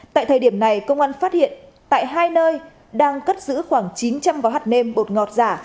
tại thời điểm này công an phát hiện tại hai nơi đang cất giữ khoảng chín trăm linh gói hạt nem bột ngọt giả